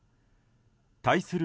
対する